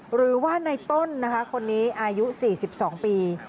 หรือว่าในต้นนะคะคนนี้อายุ๔๒ปี